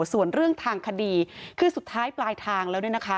ส่วนเรื่องทางคดีคือสุดท้ายปลายทางแล้วเนี่ยนะคะ